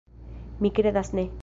Mi kredas ne.